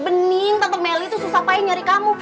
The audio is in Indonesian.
bening tante meli tuh susah payah nyari kamu